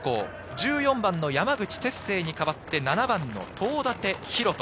１４番の山口輝星に代わって７番の東舘大翔。